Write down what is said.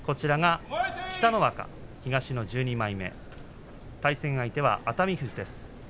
北の若は東の１２枚目対戦相手は熱海富士です。